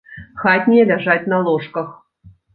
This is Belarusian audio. Хатнія ляжаць на ложках.